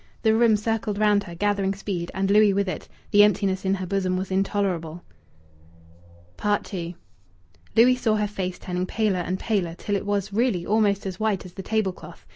The room circled round her, gathering speed, and Louis with it. The emptiness in her bosom was intolerable. II Louis saw her face turning paler and paler, till it was, really, almost as white as the table cloth.